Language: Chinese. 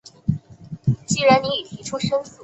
于十大劲歌金曲颁奖典礼中夺得新人奖金奖。